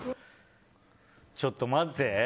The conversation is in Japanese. ちょっと待って。